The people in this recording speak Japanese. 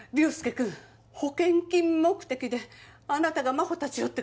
君保険金目的であなたが真帆たちをって